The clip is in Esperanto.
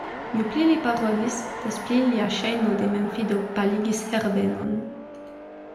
Ju pli li parolis, des pli lia ŝajno de memfido paligis Herbenon.